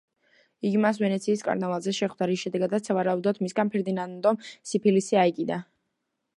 იგი მას ვენეციის კარნავალზე შეხვდა, რის შემდეგაც, სავარაუდოდ მისგან ფერდინანდომ სიფილისი აიკიდა.